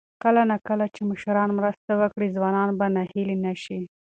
کله نا کله چې مشران مرسته وکړي، ځوانان به ناهیلي نه شي.